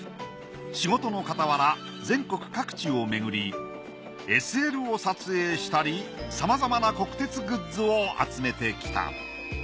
仕事の傍ら全国各地をめぐりＳＬを撮影したりさまざまな国鉄グッズを集めてきた。